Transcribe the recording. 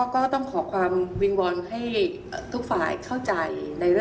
ก็ต้องขอความวิงวอนให้ทุกฝ่ายเข้าใจ